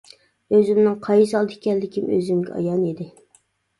ئۆزۈمنىڭ قايسى ھالدا ئىكەنلىكىم ئۆزۈمگە ئايان ئىدى.